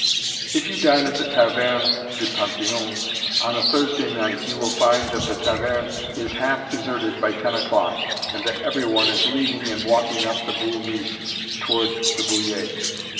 If you dine at the Taverne du Panthéon on a Thursday night you will find that the taverne is half deserted by 10 o'clock, and that every one is leaving and walking up the "Boul' Miche" toward the "Bullier."